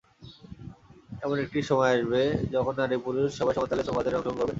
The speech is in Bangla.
এমন একটি সময় আসবে যখন নারী-পুরুষ সবাই সমানতালে শ্রমবাজারে অংশগ্রহণ করবেন।